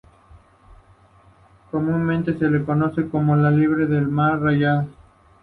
Comúnmente se le conoce como liebre de mar rayada.